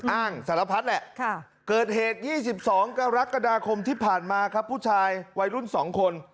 สารพัดแหละเกิดเหตุ๒๒กรกฎาคมที่ผ่านมาครับผู้ชายวัยรุ่น๒คน